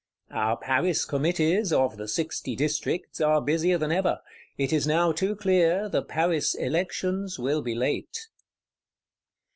Our Paris Committees, of the Sixty Districts, are busier than ever; it is now too clear, the Paris Elections will be late.